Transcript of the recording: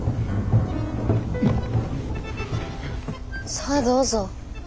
さあどうぞ。